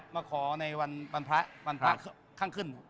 มาขอในวันพระวันพระข้างขึ้น